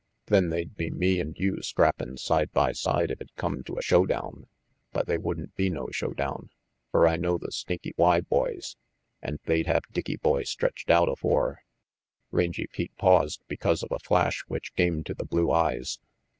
Then they'd be me and you scrappin' side by side if it come to a showdown, but they wouldn't be no showdown, fer I know the Snaky Y boys, and they'd have Dickie boy stretched out afore Rangy Pete paused because of a flash which came to the blue eyes.